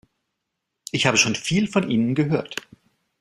Ich habe schon viel von Ihnen gehört.